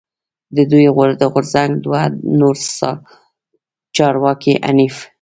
د دوی د غورځنګ دوه نور چارواکی حنیف